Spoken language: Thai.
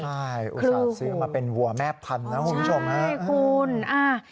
ใช่อุตสาหรัฐเสือกมาเป็นวัวแม่พันธุ์นะคุณผู้ชม